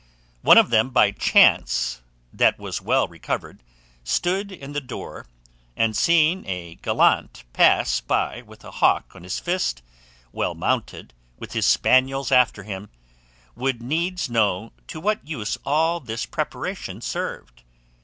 One of them by chance, that was well recovered, stood in the door, and seeing a gallant pass by with a hawk on his fist, well mounted, with his spaniels after him, would needs know to what use all this preparation served.